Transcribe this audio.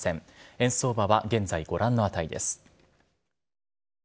円相場は現在、ご覧の値です。